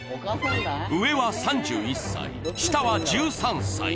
上は３１歳、下は１３歳。